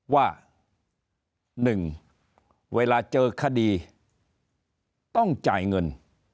ว่า๑เวลาเจอคดีต้องจ่ายเงิน